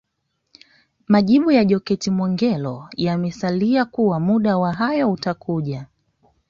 Majibu ya Jokate Mwegelo yamesalia kuwa muda wa hayo utakuja